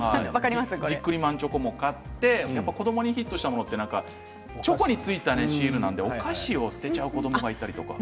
ビックリマンチョコを買って子どもにヒットしたものはチョコについたシールなのでお菓子を捨ててしまう子どもとかいました。